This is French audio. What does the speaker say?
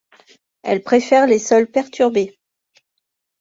Elle préfère les sols perturbés.